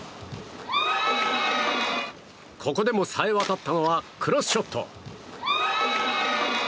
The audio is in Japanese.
ここでも、さえ渡ったのはクロスショット。